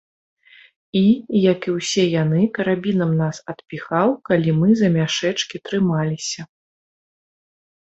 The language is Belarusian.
І, як і ўсе яны, карабінам нас адпіхаў, калі мы за мяшэчкі трымаліся.